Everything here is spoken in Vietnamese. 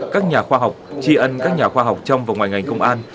các nhà khoa học tri ân các nhà khoa học trong và ngoài ngành công an